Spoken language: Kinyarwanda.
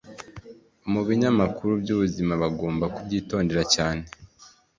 mu binyamakuru byubuzima bagomba kubyitondera cyane